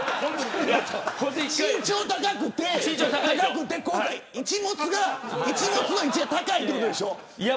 身長高くて、いちもつの位置が高いということでしょ。